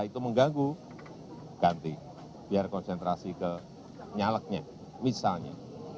tentu ganti biar konsentrasi ke nyalegnya misalnya